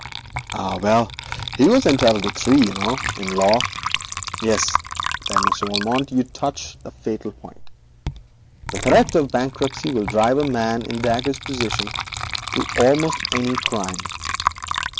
'Ah, well, he was entitled to three, you know, in law. Yes, there, Monsieur Valmont, you touch the fatal point. The threat of bankruptcy will drive a man in Dacre's position to almost any crime.